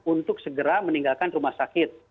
untuk segera meninggalkan rumah sakit